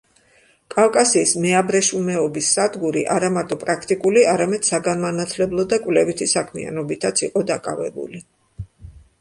კავკასიის მეაბრეშუმეობის სადგური არამარტო პრაქტიკული, არამედ საგანმანათლებლო და კვლევითი საქმიანობითაც იყო დაკავებული.